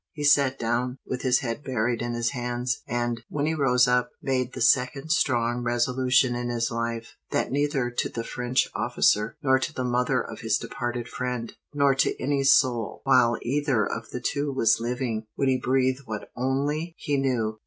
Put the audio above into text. He sat down, with his head buried in his hands, and, when he rose up, made the second strong resolution in his life, that neither to the French officer, nor to the mother of his departed friend, nor to any soul, while either of the two was living, would he breathe what only he knew.